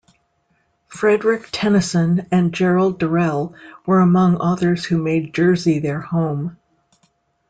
Frederick Tennyson and Gerald Durrell were among authors who made Jersey their home.